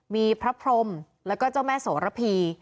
มีพระพรมแล้วก็เจ้าแม่โสระพี